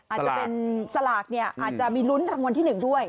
อาจจะเป็นสลากเนี่ยอาจจะมีลุ้นรางวัลที่๑ด้วย